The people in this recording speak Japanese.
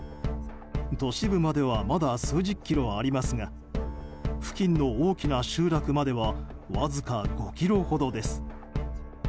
都市部まではまだ数十キロありますが付近の大きな集落まではわずか５ｋｍほどです。